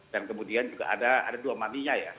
dan kemudian juga ada dua mami nya ya